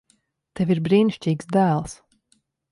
Tev ir brīnišķīgs dēls.